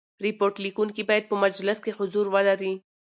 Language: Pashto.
ریپورټ لیکوونکی باید په مجلس کي حضور ولري.